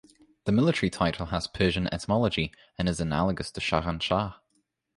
The military title has Persian etymology and is analogous to Shahanshah.